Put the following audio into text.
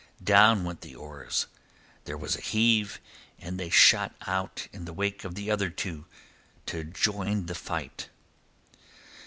Down went the oars, there was a heave, and they shot out in the wake of the other two to join the fight.